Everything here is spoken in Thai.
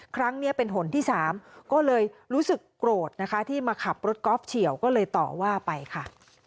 ครั้งนี้เป็นหนที่๓ก็เลยรู้สึกโกรธนะคะที่มาขับรถกอล์ฟเฉียวก็เลยต่อว่าไปค่ะ